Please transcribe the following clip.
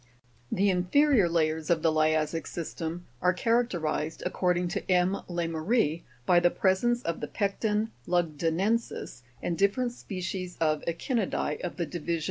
35. The inferior layers of the lia'ssic system are characterized, according to M. Leymerie, by the presence of the Pecten lugdu ne'nsis (Jig 69), and different species of echi'nidae of the division diade'ma (fig.